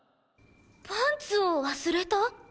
パンツを忘れた？